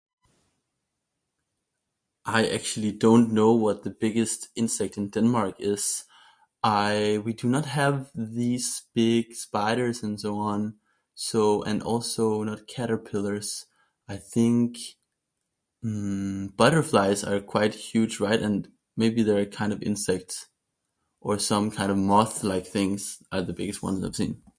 I actually don't know what the biggest insect in Denmark is. Uh, we do not have these big spiders and so on. So, and also, not caterpillars. I think, hmm, butterflies are quite huge, right? And maybe they're a kind of insect. Or some kind of moth-like things are the biggest ones I've seen.